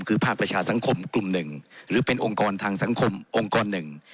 คือภาคประชาสังคมกลุ่มหนึ่งหรือเป็นองค์กรทางสังคมองค์กรหนึ่ง